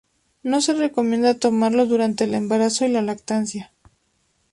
No se recomienda tomarlo durante el embarazo y la lactancia.